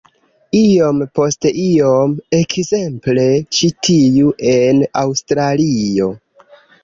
Iom post iom-- ekzemple, ĉi tiu en Aŭstralio.